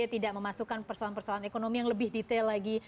tidak memasukkan persoalan persoalan ekonomi yang lebih detail lagi